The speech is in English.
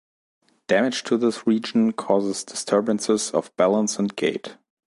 Damage to this region causes disturbances of balance and gait.